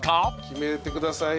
決めてください。